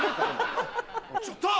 ちょっと！